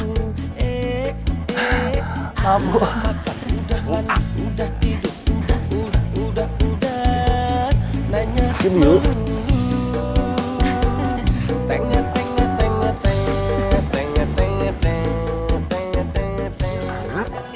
tengah tengah tengah tengah tengah